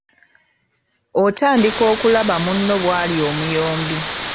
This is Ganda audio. Otandika okulaba munno bw’ali omuyombi.